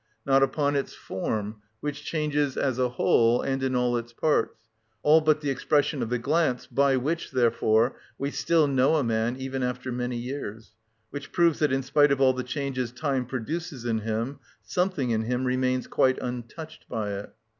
Not upon its form, which changes as a whole and in all its parts; all but the expression of the glance, by which, therefore, we still know a man even after many years; which proves that in spite of all changes time produces in him something in him remains quite untouched by it.